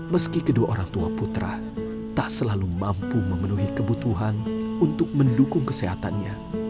meski kedua orang tua putra tak selalu mampu memenuhi kebutuhan untuk mendukung kesehatannya